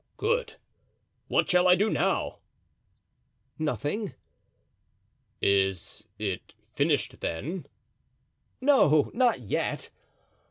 "Good! What shall I do now?" "Nothing." "It is finished, then?" "No, not yet."